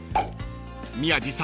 ［宮治さん